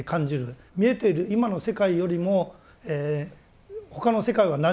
見えている今の世界よりも他の世界は何にもないんだ。